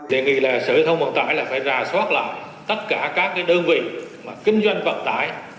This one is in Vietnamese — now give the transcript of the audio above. đề nghị là sở thông vận tải là phải ra soát lại tất cả các đơn vị kinh doanh vận tải